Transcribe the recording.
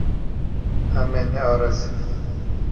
Em ê nearêsin.